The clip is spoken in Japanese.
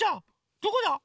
どこだ？